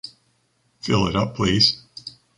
Fill it up, please.